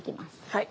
はい。